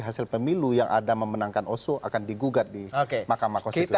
hasil pemilu yang ada memenangkan oso akan digugat di mahkamah konstitusi